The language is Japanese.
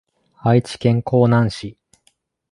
愛知県江南市